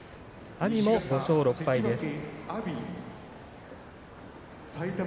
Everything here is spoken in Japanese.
阿炎も５勝６敗です。